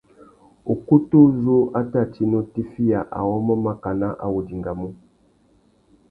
Ukutu uzú a tà tina utifiya awômô makana a wô dingamú.